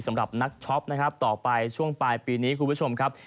สำหรับนักช็อปนะครับต่อไปช่วงปลายปีนี้คุณผู้ชมครับ